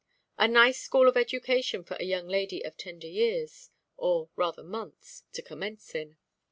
A nice school of education for a young lady of tender years—or rather months—to commence in.